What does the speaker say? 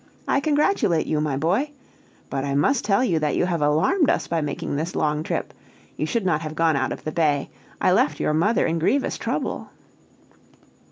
I congratulate you, my boy! But I must tell you that you have alarmed us by making this long trip. You should not have gone out of the bay. I left your mother in grievous trouble."